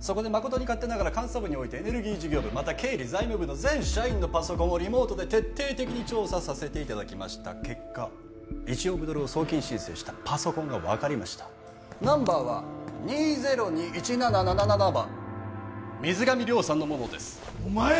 そこで誠に勝手ながら監査部においてエネルギー事業部また経理財務部の全社員のパソコンをリモートで徹底的に調査させていただきました結果１億ドルを送金申請したパソコンが分かりましたナンバーは２０２１７７７番水上了さんのものですお前！